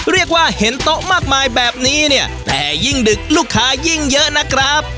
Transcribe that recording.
เรียกว่าเห็นโต๊ะมากมายแบบนี้เนี่ยแต่ยิ่งดึกลูกค้ายิ่งเยอะนะครับ